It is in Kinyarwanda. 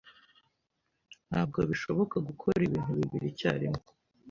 Ntabwo bishoboka gukora ibintu bibiri icyarimwe.